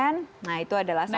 nah itu adalah satu